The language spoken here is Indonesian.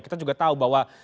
kita juga tahu bahwa